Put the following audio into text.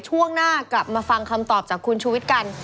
ช่วงหน้ากลับมาฟังคำตอบจากคุณชูวิทย์กัน